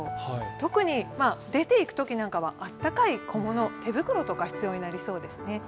特に出ていくときなんかはあったかい小物、手袋とか必要になりそうですね。